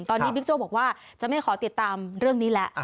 ตอนนี้บิ๊กโจ้บอกว่าจะไม่ขอติดตามเรื่องนี้แล้ว